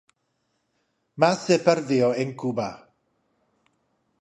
Mas se perdio en Cuba.